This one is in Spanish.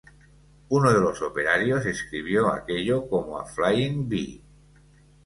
Uno de los operarios describió aquello como "a flying vee".